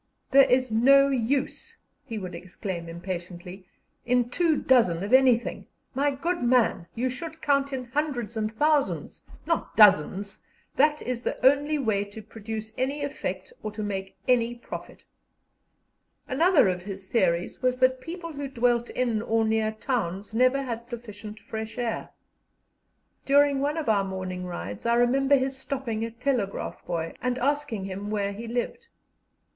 "There is no use," he would exclaim impatiently, "in two dozen of anything. My good man, you should count in hundreds and thousands, not dozens. That is the only way to produce any effect or to make any profit." Another of his theories was that people who dwelt in or near towns never had sufficient fresh air. During one of our morning rides I remember his stopping a telegraph boy, and asking him where he lived.